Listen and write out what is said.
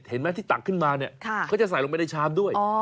เห็นไหมที่ตักขึ้นมาเนี่ยเขาจะใส่ลงไปในชามด้วย